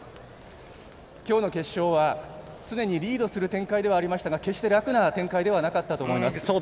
きょうの決勝は、常にリードする展開ではありましたが決して楽な展開ではなかったと思います。